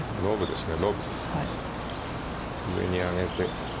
右に上げて。